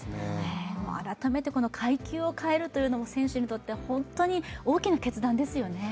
改めて階級を変えるというのは選手にとって大きな決断ですよね。